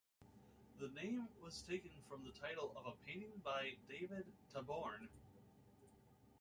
The name was taken from the title of a painting by David Taborn.